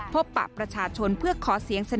พบปะประชาชนเพื่อขอเสียงสนับสนุน